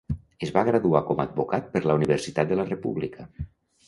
Es va graduar com a advocat per la Universitat de la República.